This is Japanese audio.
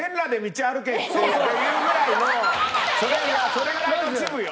それぐらいの恥部よ。